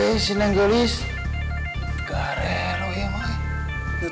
ini yang paling keras sih